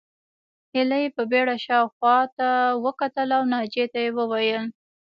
هيلې په بېړه شا او خواته وکتل او ناجيې ته وویل